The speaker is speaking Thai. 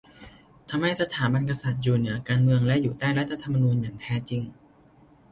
ทำให้สถาบันกษัตริย์อยู่เหนือการเมืองและอยู่ใต้รัฐธรรมนูญอย่างแท้จริง